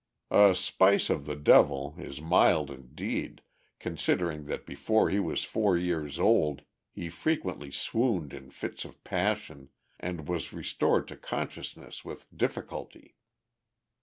"A spice of the devil" is mild indeed, considering that before he was four years old he frequently swooned in fits of passion, and was restored to consciousness with difficulty.